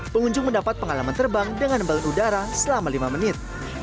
pengunjung mendapat pengalaman terbang dengan balon udara selama lima menit